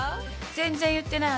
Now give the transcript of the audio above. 全然言ってない。